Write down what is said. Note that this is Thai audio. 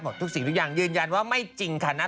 ทุกสิ่งทุกอย่างยืนยันว่าไม่จริงค่ะนะ